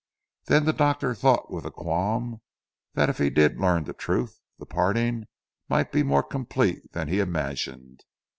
Then the doctor thought with a qualm, that if he did learn the truth, the parting might be more complete than he imagined.